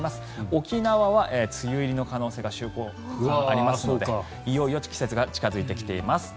沖縄は梅雨入りの可能性が週後半、ありますのでいよいよ梅雨の季節が近付いてきています。